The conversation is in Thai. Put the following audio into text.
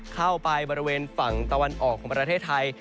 เข้าไปบริเวณฝั่งตะวันออกของประเทศไทย